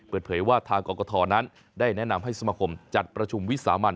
เปิดเผยว่าทางกรกฐนั้นได้แนะนำให้สมาคมจัดประชุมวิสามัน